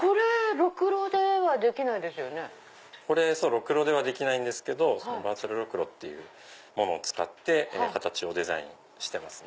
ろくろではできないんですけどバーチャルろくろを使って形をデザインしてます。